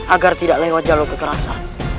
agar tidak lewat jalur kekerasan